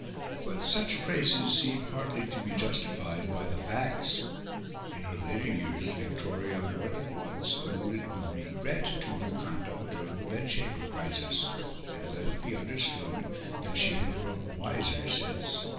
But such praises seem hardly to be justified by the facts. In her later years Victoria more than once alluded with regret to her conduct during the Bedchamber crisis, and let it be understood that she had grown wiser since.